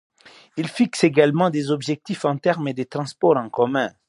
Ils fixent également des objectifs en termes de transport en commun.